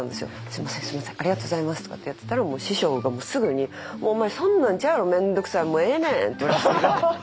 「すみませんすみませんありがとうございます」とかってやってたらもう師匠がすぐに「お前そんなんちゃうやろ面倒くさいもうええねん！」って言われまして。